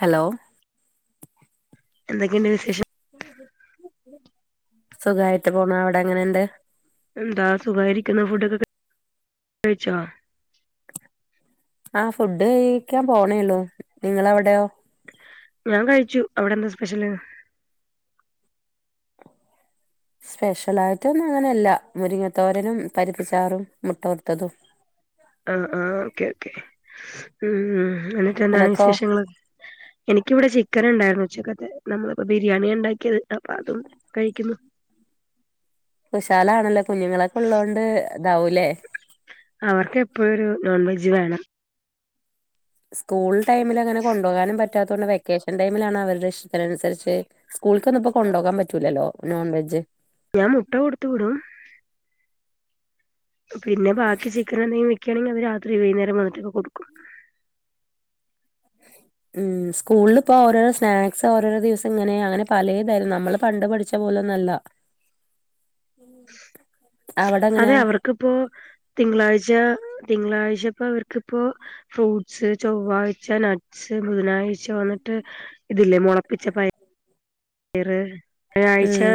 Hello എന്തൊക്കെയുണ്ട് വിശേഷം സുഖായിട്ട് പോണു അവിടെ എങ്ങനെ ഇണ്ട്? എന്താ സുഖായിരിക്ക്‌ണ് ഫുഡൊക്കെ കഴിച്ചോ? ആഹ് ഫുഡ് കഴിക്കാൻ പോണേള്ളൂ നിങ്ങളെ അവിടെയോ? ഞാൻ കഴിച്ചു. അവിടെ എന്താ സ്പെഷ്യല്? സ്പെഷ്യൽ ആയിട്ടൊ ഒന്നും അങ്ങനെല്ല മുരിങ്ങത്തോരനും, പരിപ്പിച്ചാറും, മുട്ട വർത്തതും, ആ ആഹ് ഓക്കെ ഓക്കെ ഉം എന്നിട്ട് എന്താണ് നിനക്കോ വിശേഷങ്ങൾ? എനിക്കിവിടെ ചിക്കൻ ഇണ്ടായിരുന്നു ഉച്ചക്കത്തെ നമ്മളിപ്പോ ബിരിയാണി ഇണ്ടാക്കിയത് അപ്പൊ അതും കഴിക്കുന്നു. കുശാലാണല്ലോ കുഞ്ഞുങ്ങളൊക്കെ ഉള്ളോണ്ട് ഇതാവുലേ അവർക്ക് എപ്പഴും ഒരു നോൺ വെജ് വേണം. സ്കൂൾ ടൈമിൽ അങ്ങനെ കൊണ്ടോകാനും പറ്റാത്തോണ്ട് വെക്കേഷൻ ടൈമിലാണ് അവര്ടെ ഇഷ്ടത്തിനൻസരിച്ച്, സ്കൂൾക്കന്നും ഇപ്പോ കൊണ്ടൊകാൻ പറ്റൂല്ലല്ലോ നോൺ വെജ് ഞാ മുട്ട കൊടുത്ത് വിടും. പിന്നെ ബാക്കി ചിക്കൻ എന്തെങ്കിലും വെക്കയാണെങ്കി അത് രാത്രി വൈന്നേരം വന്നിട്ടൊക്കെ കൊടുക്കും. [inaudible] ഉം സ്ക്കൂൾപ്പോ ഓരോരോ സ്നാക്സ് ഓരോരോ ദിവസം ഇങ്ങനെ അങ്ങനെ പലേതെ നമ്മൾ പണ്ട് പഠിച്ച പോലൊന്നല്ല. [inaudible] ഉം അതെ അവർക്കിപ്പോ തിങ്കളാഴ്ച തിങ്കളാഴ്ചപ്പോ അവർക്കിപ്പോ ഫ്രൂട്ട്സ് ചൊവ്വാഴ്ച നട്സ് ബുധനാഴ്ച വന്നിട്ട് ഇതില്ലേ മൊളപ്പിച്ച പയ റ് വ്യാഴഴ്ച ഉം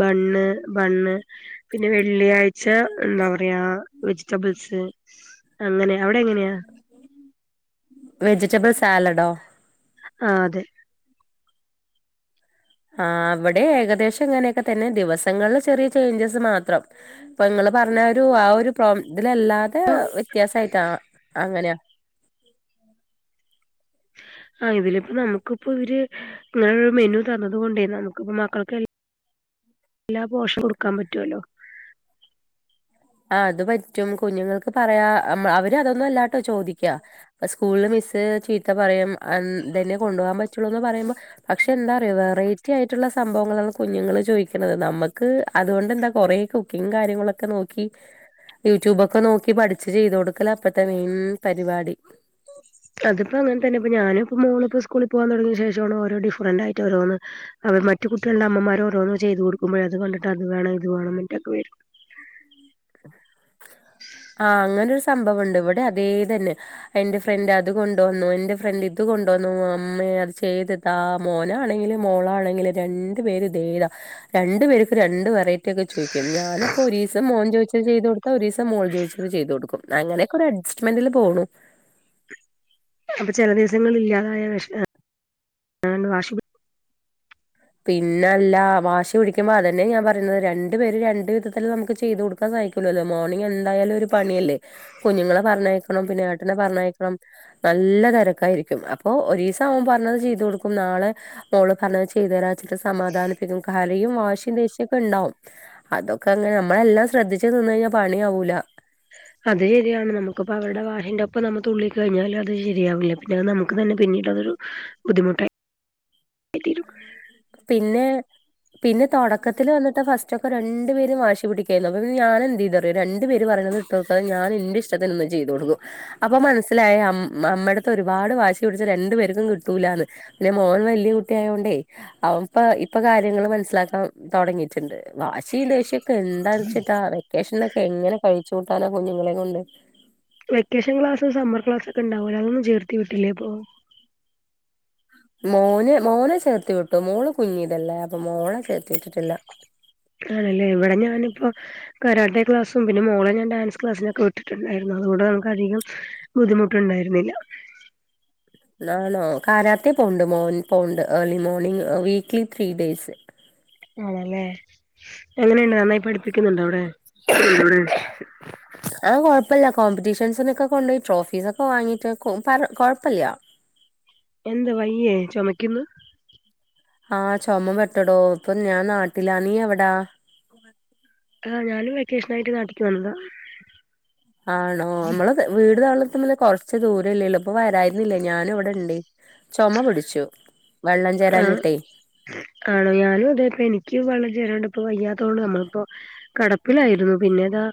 ബണ്ണ് ബണ്ണ് പിന്നെ വെള്ളിയാഴ് ച്ച എന്താ പറയാ വെജിറ്റബിൾസ് അങ്ങനെയ അവിടെ എങ്ങനെയാ? വെജിറ്റബിൾ സാലഡോ ആഹ് അതെ ആ അവിടെ ഏകദേശം ഇങ്ങനെയൊക്കെ തന്നെ ദിവസങ്ങളില് ചെറിയ ചേഞ്ചസ് മാത്രം. ഇപ്പൊ നിങ്ങള് പറഞ്ഞ ഒരു ആ ഒരു പ്ര ഇതല്ലാതെ വ്യത്യാസായിട്ടാ അങ്ങനെയാ ആഹ് ഇതിലിപ്പ നമുക്കിപ്പോ ഇവര് ഇങ്ങനൊരു മെനു തന്നത് കൊണ്ടേ നമുക്ക്പ്പ മക്കൾക്ക് എല്ലാ പോഷാ കൊട്ക്കാൻ പറ്റുവല്ലോ ആ അത് പറ്റും കുഞ്ഞുങ്ങക്ക് പറയാ അം അവര് അതൊന്നും അല്ലാട്ടോ ചോദിക്കാ സ്കൂളില് മിസ് ചീത്ത പറയും അം തന്നെ കൊണ്ടോവാൻ പറ്റുള്ളൂന്ന് പറയുമ്പോ പക്ഷെ എന്താറിയൊ വെറൈറ്റി ആയിട്ടുള്ള സംഭവങ്ങളാണ് കുഞ്ഞുങ്ങള് ചോയ്ക്ക്ണത് നമ്മക്ക് അതുകൊണ്ടെന്താ കൊറെ ക്കിങ്ങ് കാര്യങ്ങളൊക്കെ നോ ക്കി യൂട്യൂബൊക്കെ നോക്കി പഠിച്ച് ചെയ്ത് കൊടുക്കലപ്പത്തെ മെയിൻ പരിപാടി അതിപ്പോ അങ്ങൻ തന്നെ ഇപ്പ ഞാനിപ്പോ മോള്പ്പോ സ്കൂളി പോവാൻ തൊടങ്ങിയ ശേഷാണ് ഓരോ ഡിഫറന്റായിട്ട് ഓരോന്ന് അവർ മറ്റ് കുട്ടികള്ടെ അമ്മമാരോരോന്ന് ചെയ്തു കൊടുക്കുമ്പോഴാ അത് കണ്ടിട്ടത് വേണം ഇത് വേണം [unintelligible] ആ അങ്ങനൊരു സംഭവ്ണ്ട് ഇവടെ അതേ തന്നെ എന്റെ ഫ്രണ്ട് അത് കൊണ്ടുവന്നു എന്റെ ഫ്രണ്ട് ഇത് കൊണ്ട് വന്നു അമ്മെ അത് ചെയ്ത് താ മോനാണെങ്കിലും മോളാണെങ്കിലും രണ്ടു പേരും ദേ താ രണ്ടു പേർക്കും രണ്ട് വെറൈറ്റി ഒക്കെ ചോയ്ക്കും ഞാനപ്പോ ഒരീസം മോൻ ചൊയ് ത് ചെയ്തൊട്ത്താ ഒരീസം മോൾ ജോയ്ച്ചത് ചെയ്തൊട്ക്കും അങ്ങനൊക്കൊരു അഡജസ്മെന്റിൽ പോണു അപ്പ ചെല ദിവസങ്ങളില്ലാതായ വെഷ് [unintelligible] പിന്നെല്ല വാശി പിടിക്കുമ്പോ അതന്നെ ഞാൻ പറയുന്നത് രണ്ടു പേര് രണ്ടു വിധത്തിൽ നമുക്ക് ചെയ്തൊ ക്കെ സഹിക്കുല്ലോലോ മോർണിംഗ് എന്തായാലും ഒരു പണിയല്ലേ കുഞ്ഞുങ്ങളെ പറഞ്ഞയക്കണം പിന്നേട്ടനെ പറഞ്ഞയക്കണം നല്ല തിരക്കായിരിക്കും അപ്പൊ ഒരീസം ഓൻ പർഞ്ഞത് ചെയ്തൊട്ക്കും നാളെ മോള് പറഞ്ഞത് ചെയ്തരാച്ചിട്ട് സമാധാനിപ്പിക്കും കരയും വാഷിം ദേഷ്യൊക്കെ ഇണ്ടാവും അതൊക്കെ അങ്ങെ നമ്മളെല്ലാം ശ്രദ്ധിച്ച് നിന്നഴിഞ്ഞാ പണിയാവൂല അത് ശരിയാണ് നമുക്കിപ്പോ അവരുടെ വാഷിന്റൊപ്പം നമുതുള്ളി കഴിഞ്ഞാലത് ശരിയാവൂല പിന്നെ അത് നമുക്ക് തന്നെ പിന്നീടതൊരു ബുദ്ധിമുട്ടായി തീരും പിന്നെ പിന്നെ തുടക്കത്തിൽ വന്നിട്ട് ഫസ്റ്റൊക്കെ രണ്ടു പേരും വാശി പിടിക്കേർന്നു അപ്പം പിന്നെ ഞാനെന്തേയ്‌തു അറിയോ രണ്ട് പേര് പറേണത് കേകാതെ ഞാൻ എന്റെ ഇഷ്ടത്തിൻന്നും ചെയ്തു കൊടുക്കും അപ്പൊ മനസ്സിലായി അം അമ്മേടത്ത് ഒരുപാട് വാശി പിടിച്ചാ രണ്ടു പേർക്കും കിട്ടൂലാന്ന് ല്ലെ മോൻ വല്ല്യ കു ട്ട്യായോണ്ടേ അവൻപ്പ ഇപ്പ കാര്യങ്ങൾ മനസ്സിലാക്കാൻ തൊടങ്ങിട്ടുണ്ട് വാഷിം ദേഷ്യ ക്കെന്താന്നെച്ചിട്ടാ വെക്കേഷനൊക്കെ എങ്ങനെ കഴിച്ചു കൂട്ടാന കുഞ്ഞുങ്ങളെ കൊണ്ട് വെക്കേഷൻ ക്ലാസും സമ്മർ ക്ലാസൊക്കെ ഇണ്ടാവല്ലോ അങ്ങൊന്നും ചേർത്തി വിട്ടില്ലേപ്പോ മോന് മോനെ ചേർത്തി വിട്ടു മോള് കുഞ്ഞീതല്ലേ അപ്പൊ മോളെ ചേർത്തി വിട്ടിട്ടില്ല ആണല്ലേ ഇവിടെ ഞാനിപ്പോ കരാട്ടെ ക്ലാസ്സും പിന്നെ മോളെ ഞാൻ ഡാൻസ് ക്ലാസ്സിനൊക്കെ വിട്ടിട്ട്ണ്ടായിര്ന്നു അതുകൊണ്ട് നമുക്ക് അധികം ബുദ്ധിമുട്ടുണ്ടായിരുന്നില്ല ആണോ കാരാത്തേ പോവ്ണ്ട് മോൻ പോവ്ണ്ട് early morning weekly three days ആണല്ലേ അങ്ങനെണ്ട് നന്നായി പഠിപ്പിക്കുന്നുണ്ടോ അവിടെ ഇവിടെ ആഹ് കൊഴപ്പില്ല കോമ്പറ്റീഷൻസിനൊക്കെ കൊണ്ടോയി ട്രോഫീസൊക്കെ വാങ്ങിയിട്ട് ക്കും പറ കൊഴപ്പീല്ല എന്ത്‌ വയ്യേ ചൊമയ്ക്ക്ന്നു. ആഹ് ചൊമ പെട്ടടോ. ഇപ്പം ഞാൻ നാട്ടിലാ നീ എവിടാ. [inaudible] ആ ഞാനും വെക്കേഷനായിട്ട് നാട്ടിക്ക് വന്നതാ. ആണോ. അമ്മളെ വീട് താളർത്തമ്മ്ൽ കൊർച്ച് ദൂരല്ലെള്ളു. ഇപ്പൊ വരായിര്ന്നില്ലെ ഞാനും ഇവടെ ഇണ്ടെ. ചൊമ പിടിച്ചു. വെള്ളം ആ ചേരാഞ്ഞിട്ടെ. ആണോ. ഞാനും ഇതേ ഇപ്പെനിക്ക് വെള്ളം ചേരാണ്ട് ഇപ്പ വയ്യാത്തോണ്ട് നമ്മൾ ഇപ്പോ കെടപ്പിലായിരുന്നു. പിന്നെ ഇതാ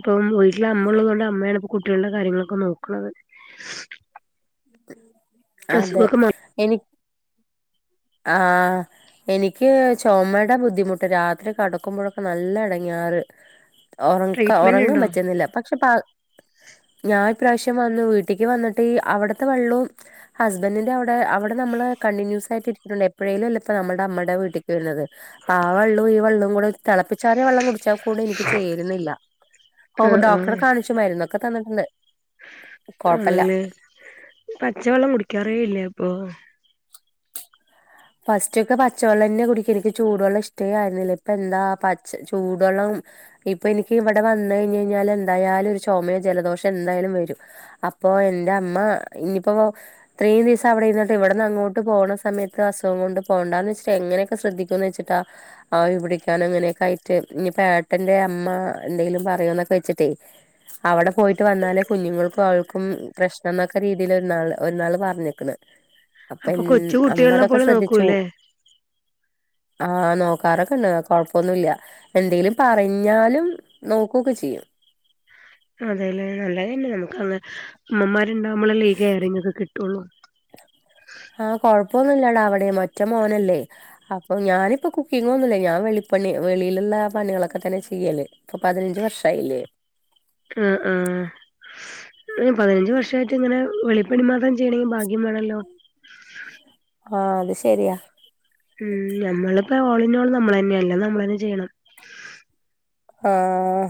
ഇപ്പം വീട്ടിലമ്മള്ളതോണ്ട് അമ്മേണ്. കുട്ട്യേളുടെ കാര്യങ്ങളൊക്കെ നോക്ക്ണത്. അതെ മാ എനിക് ആഹ്. എനിക്ക് ചോമടെ ബുദ്ധിമുട്ട്. രാത്രി കെടക്കുമ്പോഴൊക്കെ നല്ല എടങ്ങേറ്. ഒറ ട്രീറ്റ്മെന്റ് ഒറങ്ങാൻ ഉണ്ടോ പറ്റുന്നില്ല. പക്ഷെ പ ഞാൻ ഇപ്രാവശ്യം വന്നു. വീട്ടിക്ക് ര വന്നിട്ട് അവിട്രത്തെ വെള്ളവും. ഹസ്ബൻഡറിന്റെ അവിടെ അവിടെ നമ്മള് കണ്ടിന്യൂസ് ആയിട്ട്. ഇണ്ട് എപ്പെഴേലും അല്ലെ ഇപ്പ നമ്മുടെ അമ്മടെ വീട്ടിക്ക് വരുന്നത്. അപ്പൊ ആ വെള്ളവും ഈ വെള്ളവും കൂടെ. തെളപ്പിച്ചാറിയ വെള്ളം കുടിച്ച കൂട് എനിക്ക് ചേര്ണില്ല. ഓ ആ ആ ഡോക്ടറെ കാണിച്ചു മരുന്നൊക്കെ തന്നിട്ട്ണ്ട്. കൊഴപ്പല്ല. ആണല്ലേ പച്ചവെള്ളം കുടിക്കാറേ ഇല്ലെ ഇപ്പൊ. ഫസ്റ്റ് ഒക്കെ പച്ചവെള്ളെന്നെ കുടിക്കല്. ഇക്ക് ചൂടുവെള്ളം ഇഷ്ടേ ആരുന്നില്ല. ഇപ്പ എന്താ പ ചൂടുവെള്ളം. ഇപ്പൊ എനിക്ക് ഇവിടെ വന്ന് കഴിഞ്ഞഞ് കഴിഞ്ഞാൽ എന്തായാലും ഒരു ചൊമയോ ജലദോഷം എന്തായാലും വെരും. അപ്പോ എന്റെ അമ്മ ഇഞ്പ്പൊ ഇത്രീം ദിവസം അവിടെ നിന്നിട്ട് ഇവിടെന്ന് അങ്ങോട്ട് പോണ സമയ അസുഖം കൊണ്ട് പോണ്ടാന്ന് വെച്ചിട്ട് എങ്ങനെയൊക്കെ ശ്രദ്ധിക്ക എന്ന് വെച്ചിട്ടാ ആവി പിടിക്കാനെങ്ങനെക്കെ ആയിട് ഇഞ്ഞ് പേട്ട െന്റെ അമ്മ എന്തെങ്കിലും പറയോന്നൊക്കെ വെച്ചിട്ടേ അവിടെ പോയിട്ട് വന്നാലെ കുഞ്ഞുങ്ങൾക്കും അവൾക്കും പ്രശ്നം എന്നൊക്കെ രീതിയില് ഒരുനാള് ഒരു നാള് പറഞ്ഞിക്ക്ണ്. അപ്പൊ കൊച്ചു കുട്ടികളെ പോലെ ശ്രദ്ധിച്ചു നോക്കൂലേ ആഹ് നോക്കാറൊക്കെണ്ട്. കൊഴപ്പൊന്നുല്ല. എന്തെങ്കിലും പറഞ്ഞാലും നോക്കൊക്കെ ചെയ്യും. അതെലേ നല്ലതന്നെ. നമുക്ക് അത് ഇമ്മമാരുണ്ടാവുമ്പളെല്ലെ ലേ ഈ കെയറിങ്ങൊക്കെ കിട്ടൊള്ളു. ആഹ് കൊഴപ്പൊന്നുല്ലടാ. അവിടിം ഒറ്റ മോനല്ലെ. അപ്പൊ ഞാനിപ്പോ കുക്കിംഗൊന്നുല്ല. ഞാൻ വെളിപ്പണി വെളിയിലുള്ള പണികളൊക്കെ തന്നെ ചെയ്യല്. ഇപ്പൊ പതിനഞ്ച് വർഷായില്ലേ. ആഹ് ആഹ് പതിനഞ്ച് വർഷായിട്ട് ഇങ്ങനെ വെളിപ്പണി മാത്രം ചെയ്യണെങ്കിൽ ഭാഗ്യ മാണല്ലോ. ആഹ് അത് ശെരിയാ. ഉം നമ്മളിപ്പോ ഓളിനോള് നമ്മളെന്ന്ല്ലെ. അല്ല നമ്മളെന്നെ ചെയ്യണം. ഏഹ്.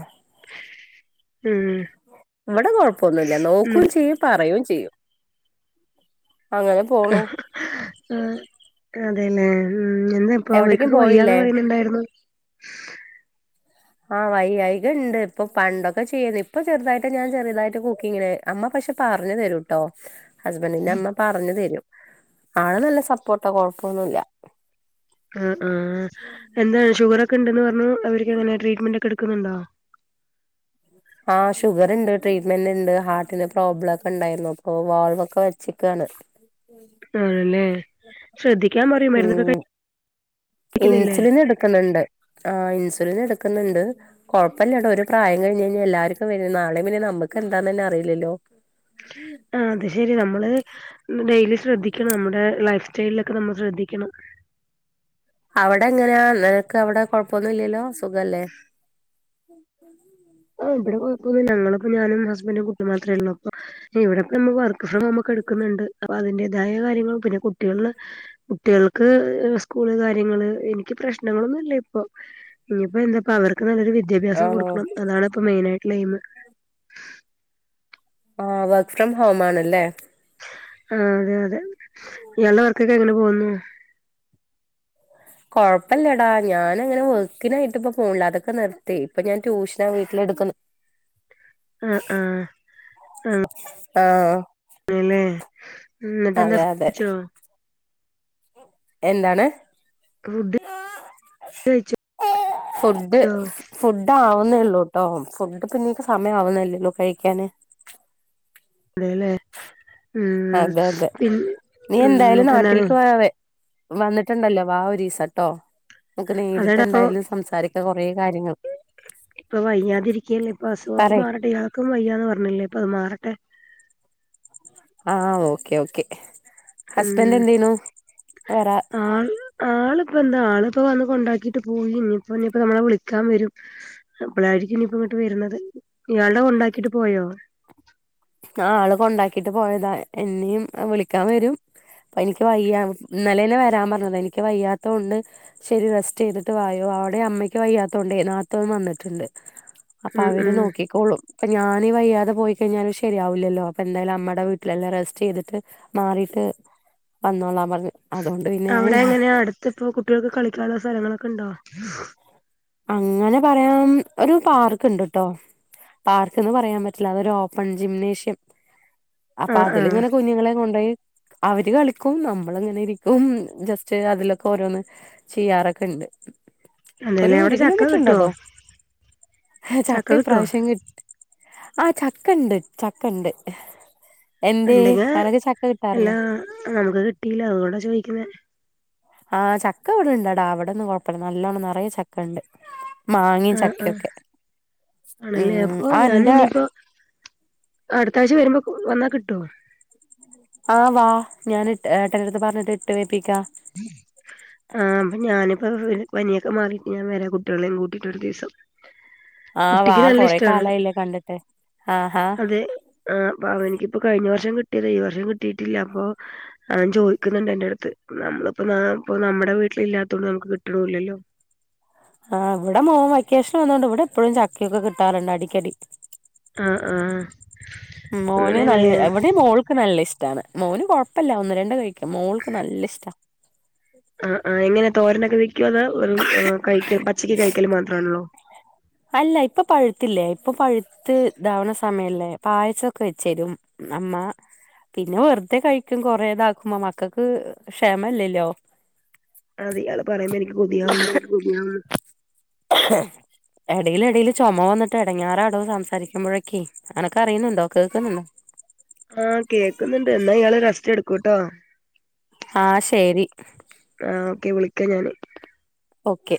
ഉം. ഇവിടെ കുഴപ്പൊന്നുല്ല. നോക്കും ചെയ്യും പറയും ചെയ്യും. അങ്ങനെ. പോണു ആ അതെലേ ഉം എന്താ അപ്പൊ എവിടേക്കും അവർക്കൊക്കെ വയ്യാന്ന് പോയില്ലേ പറയുന്നുണ്ടായിരുന്നു. ആഹ് വയ്യായിക ഇണ്ട്. ഇപ്പൊ പണ്ടൊക്കെ ചെയ്ത്. ഇപ്പൊ ചെറുതായിട്ട് ഞാൻ ചെറുതായിട്ട് കുക്കിങ്ങിന് അമ്മ പക്ഷെ പറഞ്ഞു തരൂട്ടോ ഹസ്ബൻറിന്റെ അമ്മ പറഞ്ഞു തരും ആള് നല്ല സപ്പോർട്ടാ കൊഴപ്പൊന്നുല്ല ആഹ് ആഹ് എന്താണ് ഷുഗർ ഒക്കെ ഉണ്ടെന്ന് പറഞ്ഞു അവർക്ക് എങ്ങനെ ട്രീറ്റ്മെന്റ് ഒക്കെ എടുക്കുന്നുണ്ടോ ആഹ് ഷുഗർ ഉണ്ട് ട്രീറ്റ്ന്റ് ഉണ്ട് ഹാർട്ടിന് പ്രോബ്ലം ഒക്കെ ഉണ്ടായിരുന്നു അപ്പോ വാൾവ് ഒക്കെ വെച്ചക്കാണ് ആണല്ലേ ശ്രദ്ധിക്കാൻ പറയ് മരുന്നോക്കെ ഉം ക ഇൻസുലിൻ എടുക്കുന്നുണ്ട് ആഹ് ഇൻസുലിൻ എടുക്കുന്നുണ്ട് കുഴപ്പമില്ല കേട്ടോ ഒരു പ്രായം കഴിഞ് കഴിഞ്ഞാ എല്ലാവർക്കും നാളെയും പിന്നെ നമുക്ക് എന്താന്നെ അറിയില്ലല്ലോ ആഹ് അത് ശരി നമ്മള് ഡെയ്ലി ശ്രദ്ധിക്കണം നമ്മുടെ ലൈഫ് സ്റ്റൈലിലൊക്കെ നമ്മൾ ശ്രദ്ധിക്കണം അവിടെ എങ്ങനെയാ നിനക്ക് അവിടെ കൊഴപ്പോന്നും ഇല്ലല്ലോ സുഖല്ലേ ആഹ് ഇവിടെകൊഴപ്പന്നില്ല ഞങ്ങളിപ്പോ ഞാനും ഹസ്ബൻഡും കുട്ടി മാത്രേ ഒള്ളൂ അപ്പൊ ഇവിടെ ഇപ്പം നമ്മള് വർക്ക് ഫ്രം ഹോം ക്കെ എടുക്കുന്നുണ്ട് അപ്പൊ അതിന്റേതായ കാര്യങ്ങള് പിന്നെ കുട്ടികളെ കുട്ടികൾക്ക് സ്കൂള് കാര്യങ്ങള് എനിക്ക് പ്രശ്നങ്ങളൊന്നും ഇല്ല ഇപ്പൊ ഇനിപ്പോ എന്താപ്പ അവർക്ക് നല്ലൊരു വിദ്യാഭ്യാസം ആണോ കൊടുക്കണം അതാണ് ഇപ്പം മെയിനായിയിട്ടുള്ള എയിം ആഹ് വർക്ക് ഫ്രം ഹോം ആണല്ലേ ആഹ് അതെ അതെ ഇയാൾടെ വർക്കൊക്കെ എങ്ങനെ പോകുന്നു. കൊഴപ്പല്ലടാ. ഞാന് അങ്ങനെ വർക്കിനായിട്ട് ഇപ്പ പോണില്ല അതൊക്കെ നിർത്തി, ഇപ്പൊ ഞാൻ ട്യൂഷനാ വീട്ടിലെടുക്കുന്നു. ആഹ് ആഹ് ആഹ് അല്ലല്ലേ എന്നിട്ട് എന്താ അതെ ച്ചോ എന്താണ് ഫുഡ് കയിച്ചോ? ഫുഡ് ഫുഡ് ആവുന്നള്ളൂ ട്ടോ. ഫുഡ് പിന്നീ പ്പോ സമയം ആവുന്നല്ലോ ഉള്ളു കഴിക്കാന്. അതേല്ലേ അതെ അതെ നീ ഉം എന്തായാലും എന്നിട്ട് എന്താണ് നാട്ടിലേക്ക് വാ വേ വന്നിട്ടുണ്ടല്ലോ വാ ഒരീസട്ടോ. നമുക്ക് നേരിട്ട് അതെടാ അപ്പൊ എന്തായാലും സംസാരിക്ക. കുറേ കാര്യങ്ങൾ. ഇപ്പൊ വയ്യാതി ഇരിക്കല്ലേ, ഇപ്പൊ അസുഖൊക്കെ പറയ് മാറട്ടെ. ഇയാൾക്കും വയ്യാന്ന് പറഞ്ഞില്ലേ ഇപ്പൊ അത് മാറട്ടെ. ആഹ്, ഓക്കെ ഓക്കെ ഹസ്ബൻഡ് ഉം എന്തേയ്ന്നു വേറെ ആള് ഇപ്പ എന്താ. ആളിപ്പോ വന്ന് കൊണ്ടാക്കിട്ട് പോയി. ഇനിയിപ്പോ ഇനിയിപ്പോ നമ്മളെ വിളിക്കാൻ വരും. അപ്പോളായിരിക്കും ഇനിപ്പോ ഇങ്ങോട്ട് വരുന്നത്. ഇയാളുടെ കൊണ്ടാക്കിട്ട് പോയോ? ആഹ്. ആള് കൊണ്ടാക്കിട്ട് പോയതാ. എന്നെയും വിളിക്കാൻ വരും. എനിക്ക് വയ്യ. ഇന്നലെ തന്നെ വരാൻ പറഞ്ഞതാ. എനിക്ക് വയ്യാത്ത കൊണ്ട്. ശരി റെസ്റ്റ് ചെയ്തിട്ട് വായോ. അവിടെ അമ്മയ്ക്ക് വയ്യാത്തോണ്ട് നാത്തൂൻ വന്നിട്ടുണ്ട്. അപ്പൊ ഉം അവര് ഉം നോക്കിക്കോളും. ഇപ്പൊ ഞാനീ വയ്യാതെ പോയിക്കഴിഞ്ഞാല് ശരിയാവില്ലല്ലോ. അപ്പ എന്തായാലും അമ്മടെ വീട്ടിലല്ലെ റസ്റ്റ് ചെയ്തിട്ട് മാറിട്ട്. വന്നോളാം പറഞ്ഞു. അതുകൊണ്ട് പിന്നെ അവിടെ എങ്ങനെയാ, അടുത്ത് ഇപ്പോ കുട്ടികൾക്ക് കളിക്കാനുള്ള സ്ഥലങ്ങളൊക്കെ ഇണ്ടോ? അങ്ങനെ പറയാൻ, ഒരു പാർക്ക് ഇണ്ട്ട്ടോ. പാർക്ക്ന്ന് പറയാൻ പറ്റില്ല. അതൊരു ഓപ്പൺ ജിംനേഷ്യം അപ്പൊ ആഹ് അതില്, ആഹ് ഇങ്ങനെ കുഞ്ഞുങ്ങളെ കൊണ്ടുപോയി അവര് കളിക്കും. നമ്മള് അങ്ങനെ ഇരിക്കും. ജസ്റ്റ് അതിലൊക്കെ ഓരോന്ന് ചെയ്യാറൊക്കെണ്ട്. ഒരു അതെല്ലേ ഒരു അവിടെ ചക്ക കിലോമീറ്റർ കിട്ടുവോ ഇണ്ടട്ടോ. ചക്ക ഇ പ്രാവശ്യം കി ആഹ് ചക്കണ്ട്, ചക്കണ്ട്. എന്തെ. അനക്ക് ചക്ക കിട്ടാറില്ലേ? [unintelligible] ഇല്ല അ ഓണ്ടാ ചോദിക്കുന്നേ. ആഹ് ചക്ക എവിടെ ഇണ്ട്ടാ. ഇവിടെന്നും കുഴപ്പല്ല. നല്ലോണം നെറയെ ചക്കണ്ട്. മാങ്ങിം, ആഹ് ആഹ് ചക്കയൊക്കെ. ആണല്ലേ ഉം അപ്പൊ ഞാൻ ആൻ്റെ. ഇനിയിപ്പോ അടുത്താഴ്ച വരുമ്പോ, വന്നാ കിട്ടുവോ? ആഹ് വാ, ഞാന് ഏട്ടനടുത്ത് പറഞ്ഞിട്ട് ഇട്ട് വേപ്പിക്കാ. ഉം ആഹ്. ഞാനിപ്പ പനിയൊക്കെ മാറിയിട്ട് ഞാൻ വര. കുട്ടികളെയും കൂട്ടിട്ടൊരു ദിവസം. ആഹ് വാ, കുട്ടിക്ക് നല്ല കൊറെ ഇഷ്ടാണ് കാലായില്ലേ കണ്ടിട്ട്. ആഹ. അത് ആഹ് പ അവനിക്കിപ്പോ കഴിഞ്ഞ വർഷം കിട്ടിയതെ ഈ വർഷം കിട്ടീട്ടില്ല അപ്പൊ, അവൻ ചോദിക്കുന്നുണ്ട് എൻ്റെ അടുത്ത്. നമ്മളിപ്പോ നാപ്പോ നമ്മുടെ വീട്ടിൽ ഇല്ലാത്തോണ്ട് നമുക്ക് കിട്ട്ണൂല്ലല്ലോ. ആഹ് ഇവിടെ മോൻ വൈക്കേഷൻ വന്നോണ്ട്, ഇവിടെ എപ്പഴും ചക്കയൊക്കെ കിട്ടാറുണ്ട് അടിക്കടി. ആഹ് ആഹ് ഉം മോന് അങ്ങനെയല്ലേ നല്ല വ്ടേം മോൾ. ക്ക് നല്ല ഇഷ്ട്ടാണ്. മോന് കുഴപ്പല്ല ഒന്ന് രണ്ട് കഴിക്കും. മോൾക്ക് നല്ല ഇഷ്ടാ. ആഹ്, ആ എങ്ങനെ തോരനൊക്കെ വെക്കുവോ അത്. കഴിക്കോ, പച്ചക്ക് കഴിക്കല് മാത്രണോ? അല്ല. ഇപ്പൊ പഴുത്തില്ലേ, ഇപ്പൊ പഴുത്ത് ഇതാവണ സ സമയല്ലേ. പായസൊക്കെ വെച്ചരും അമ്മ. പിന്നെ വെറുതെ കഴിക്കും കൊറേതാക്കുമ്പോ മക്കക്ക് ക്ഷമല്ലല്ലോ. അതിയാള് പറയുമ്പോ എനിക്ക് കൊതിയാവുന്ന്. [unintelligible] എടയില് ഇടയിൽ ചൊമ വന്നിട്ട് എടങ്ങെറാടോ സംസാരിക്കുമ്പോഴൊക്കെ. അനക്ക് അറിയുന്നുണ്ടോ കേക്കുന്നുണ്ടോ? ആഹ് കേക്കുന്നുണ്ട് എന്നാ ഇയാള് റെസ്റ്റ് എടുക്കുട്ടോ. ആഹ് ശരി. ആ ഓക്കെ വിളിക്കാ ഞാന്. ഓക്കെ.